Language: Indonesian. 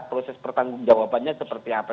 proses pertanggung jawabannya seperti apa